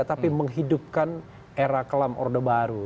tapi menghidupkan era kelam orde baru